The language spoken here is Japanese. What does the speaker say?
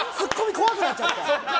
怖くなっちゃったの。